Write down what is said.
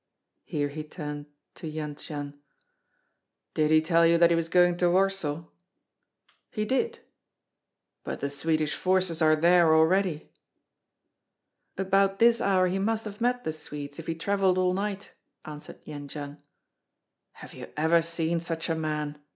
Here he turned to Jendzian: "Did he tell you that he was going to Warsaw?" "He did." "But the Swedish forces are there already." "About this hour he must have met the Swedes, if he travelled all night," answered Jendzian. "Have you ever seen such a man?"